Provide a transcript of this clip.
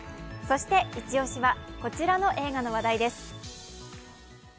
そしてイチ押しはこちらの映画の話題です。